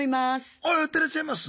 あやってらっしゃいます？